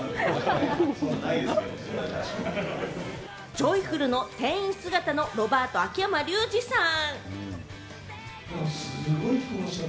ジョイフルの店員姿のロバート・秋山竜次さん。